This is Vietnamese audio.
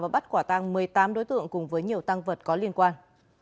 và bắt quả tăng một mươi tám đối tượng cùng với nhiều tăng vật có liên quan